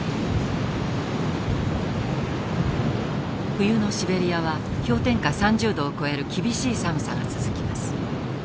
冬のシベリアは氷点下３０度を超える厳しい寒さが続きます。